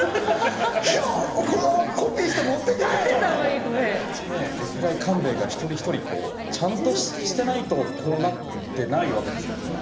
今日これをコピーして持って帰れ歴代勘兵衛が一人一人ちゃんとしてないとこうなってないわけですもんね